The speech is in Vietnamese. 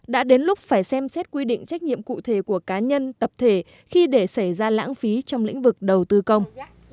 đã đến lúc phải xem xét quy định trách nhiệm cụ thể của cá nhân tập thể khi để xảy ra lãng phí trong lĩnh vực đầu tư công